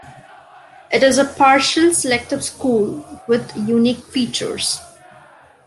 It is a partial selective school with unique features.